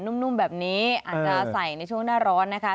นุ่มแบบนี้อาจจะใส่ในช่วงหน้าร้อนนะคะ